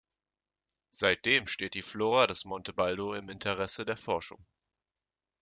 Seitdem steht die Flora des Monte Baldo im Interesse der Forschung.